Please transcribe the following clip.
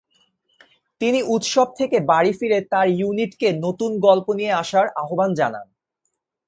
তিনি উৎসব থেকে বাড়ি ফিরে তার ইউনিটকে নতুন গল্প নিয়ে আসার আহ্বান জানান।